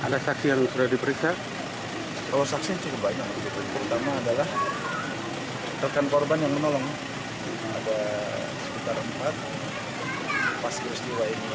dan melakukan pertolongan